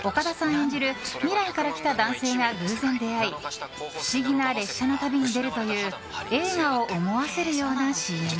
演じる未来から来た男性が偶然出会い不思議な列車の旅に出るという映画を思わせるようなＣＭ。